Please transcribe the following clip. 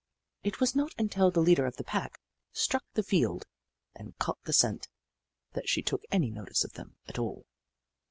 It was not until the leader of the pack struck the field and caught the scent that she took any notice of them at all.